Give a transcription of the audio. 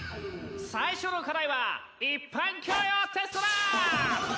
最初の課題は一般教養テストだ！